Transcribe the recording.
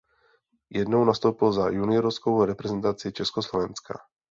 Jednou nastoupil za juniorskou reprezentaci Československa.